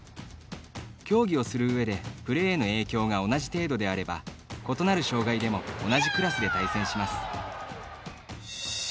競技をする上でプレーへの影響が同じ程度であれば異なる障がいでも同じクラスで対戦します。